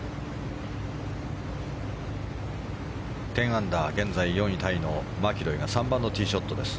１０アンダーで現在４位タイのマキロイが３番のティーショットです。